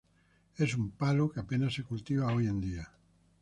Es un palo que apenas se cultiva hoy en día.